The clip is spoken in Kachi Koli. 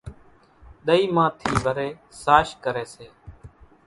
ۮئِي مان ٿِي وريَ ساش ڪريَ سي۔